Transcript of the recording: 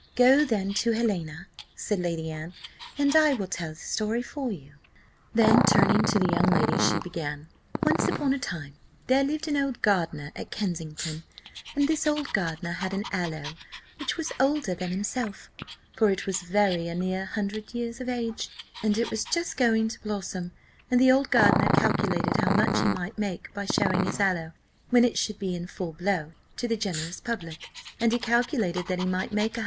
"Go then to Helena," said Lady Anne, "and I will tell the story for you." Then turning to the young lady she began "Once upon a time there lived an old gardener at Kensington; and this old gardener had an aloe, which was older than himself; for it was very near a hundred years of age, and it was just going to blossom, and the old gardener calculated how much he might make by showing his aloe, when it should be in full blow, to the generous public and he calculated that he might make a 100l.